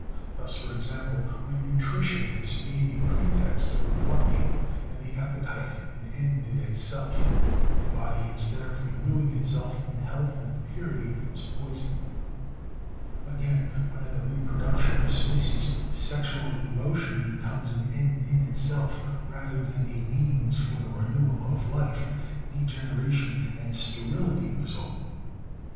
Thus, for example, when nutrition is made a pretext for gluttony, and the appetite an end in itself, the body, instead of renewing itself in health and purity, is poisoned. Again, when in the reproduction of species the sexual emotion becomes an end in itself rather than a means for the renewal of life, degeneration and sterility result.